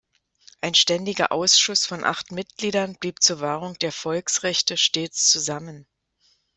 Ein ständiger Ausschuss von acht Mitgliedern blieb zur Wahrung der Volksrechte stets zusammen.